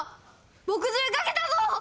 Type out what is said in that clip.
墨汁かけたぞ！